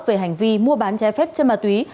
về hành vi mua bán trái phép chân ma túy